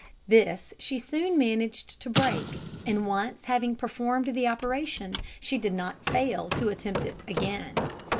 This she soon managed to break, and once having performed the operation, she did not fail to attempt it again.